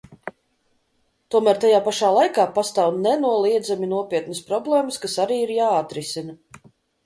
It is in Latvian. Tomēr tajā pašā laikā pastāv nenoliedzami nopietnas problēmas, kas arī ir jāatrisina.